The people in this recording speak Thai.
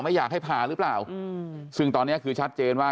ไม่อยากให้ผ่าหรือเปล่าซึ่งตอนนี้คือชัดเจนว่า